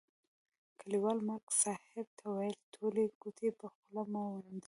کلیوال ملک صاحب ته ویل: ټولې ګوتې په خوله مه منډه.